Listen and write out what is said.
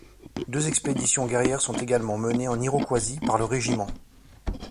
Deux expéditions guerrières sont également menées en Iroquoisie par le régiment.